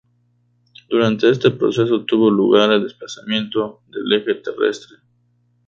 Durante este proceso tuvo lugar el desplazamiento del eje terrestre.